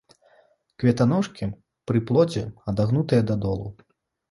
Кветаножкі пры плодзе адагнутыя дадолу.